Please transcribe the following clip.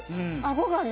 あごがね。